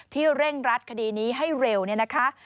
เร่งรัดคดีนี้ให้เร็วเนี่ยนะคะ